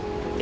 ibu juga ibu